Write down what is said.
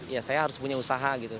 ya saya harus punya usaha gitu